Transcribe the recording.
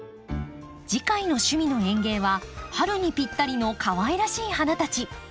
次回の「趣味の園芸」は春にぴったりのかわいらしい花たち。